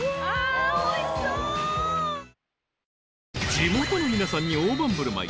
［地元の皆さんに大盤振る舞い。